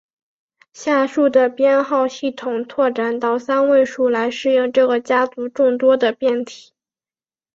下述的编号系统拓展到三位数来适应这个家族众多的变体。